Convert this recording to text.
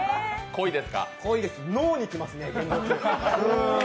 濃いです、脳に来ますね。